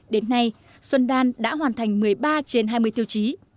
đến nay xuân đan đã hoàn thành một mươi ba trên hai mươi tiêu chí